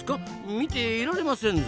見ていられませんぞ。